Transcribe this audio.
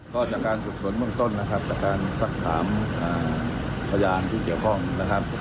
ก็จากการสืบสวนเบื้องต้นนะครับจากการซักถามพยานที่เกี่ยวข้องนะครับ